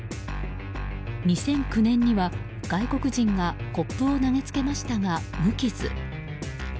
２００９年には外国人がコップを投げつけましたが無傷。